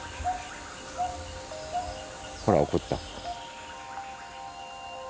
ほら怒った。